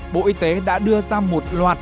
bộ y tế đã đưa ra một loạt